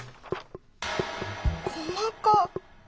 細かっ。